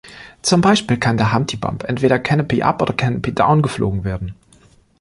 Zum Beispiel kann der Humpty-Bump entweder "Canopy Up" oder "Canopy Down" geflogen werden.